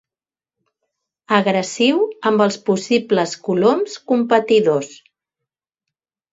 Agressiu amb els possibles coloms competidors.